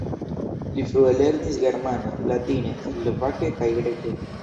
Li frue lernis germane, latine, slovake kaj greke.